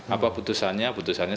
apa putusannya putusannya